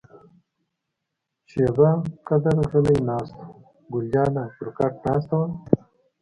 شیبه قدر غلي ناست وو، ګل جانه پر کټ ناسته وه.